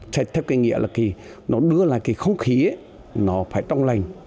sạch theo cái nghĩa là nó đưa lại cái không khí nó phải trong lành